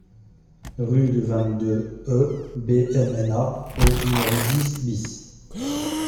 Rue du vingt-deux e BMNA au numéro dix BIS